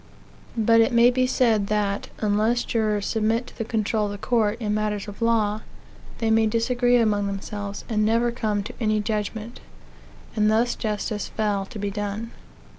But it may be said that, unless jurors submit to the control of the court, in matters of law, they may disagree amongthemselves, and never come to any judgment; and thus justice fail to be done.